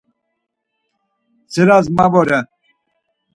Siras ma vore.